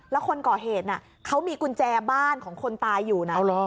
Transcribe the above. แล้วคนก่อเหตุเขามีกุญแจบ้านของคนตายอยู่นะ